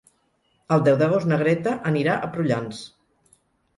El deu d'agost na Greta anirà a Prullans.